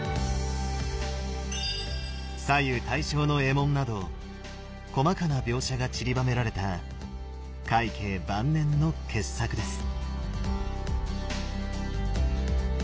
左右対称の衣紋など細かな描写がちりばめられた快慶晩年の傑作です。